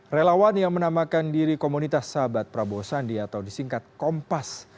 relawan yang menamakan diri komunitas sahabat prabowo sandi atau disingkat kompas